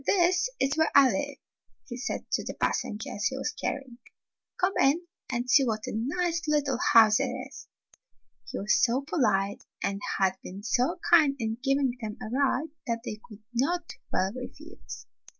"This is where I live," he said to the pas sengers he was carrying. "Come in and see what a nice little house it is." He was so polite and had been so kind in giving them a ride that they could not well 110 Fairy Tale Foxes refuse.